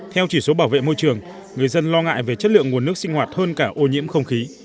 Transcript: theo chỉ số bảo vệ môi trường người dân lo ngại về chất lượng nguồn nước sinh hoạt hơn cả ô nhiễm không khí